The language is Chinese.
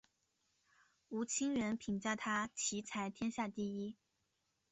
吴清源评价他棋才天下第一。